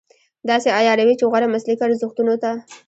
داسې عیاروي چې غوره مسلکي ارزښتونو ته.